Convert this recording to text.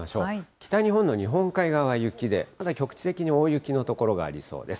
北日本の日本海側、雪で、ただ、局地的に大雪の所がありそうです。